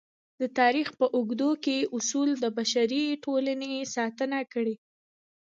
د تاریخ په اوږدو کې اصول د بشري ټولنې ساتنه کړې.